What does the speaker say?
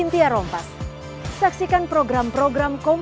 terima kasih assalamu alaikum